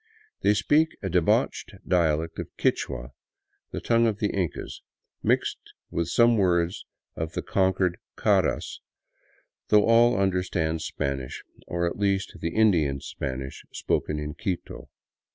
They speak a debauched dialect of Quichua, the tongue of the Incas, mixed with some words of the conquered Caras, though all understand Spanish, or at least the Indian Spanish spoken in Quito.